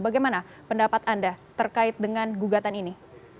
bagaimana pendapat anda terkait dengan gugatan ini